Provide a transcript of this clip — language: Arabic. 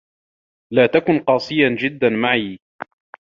لا تكن قاسياً جداً معي.